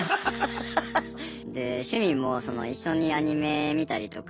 で趣味も一緒にアニメ見たりとか。